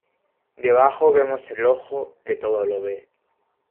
Debajo vemos el Ojo que todo lo ve.